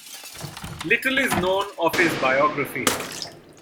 Little is known of his biography.